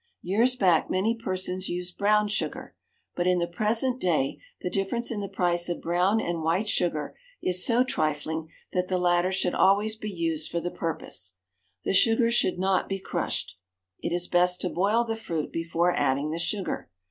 Years back many persons used brown sugar, but in the present day the difference in the price of brown and white sugar is so trifling that the latter should always be used for the purpose. The sugar should not be crushed. It is best to boil the fruit before adding the sugar.